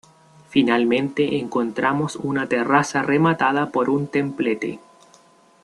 Finalmente encontramos una terraza rematada por un templete.